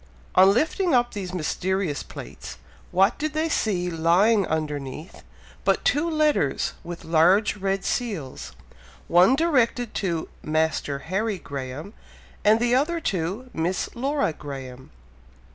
On lifting up these mysterious plates, what did they see lying underneath, but two letters with large red seals, one directed to "Master Harry Graham," and the other to "Miss Laura Graham."